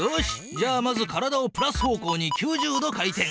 じゃあまず体をプラス方向に９０度回転。